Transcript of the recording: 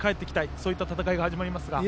そういった戦いが始まります。